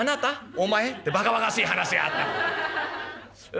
「お前」。ってバカバカしい話があったんで。